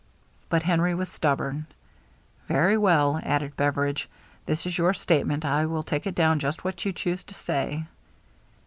But Henry was stubborn. "Very well," added Beveridge, "this is your statement. I will take down just what you choose to say."